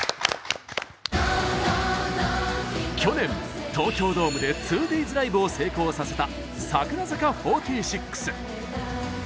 去年、東京ドームで２ＤＡＹＳライブを成功させた櫻坂４６。